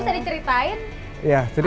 ini bisa diceritain